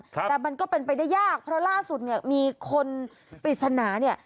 แต่มันก็เป็นไปได้ยากเพราะล่าสุดเนี่ยมีคนปริศนาเนี่ย